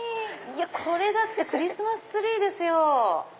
これクリスマスツリーですよ。